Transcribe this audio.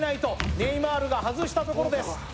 ネイマールが外したところです。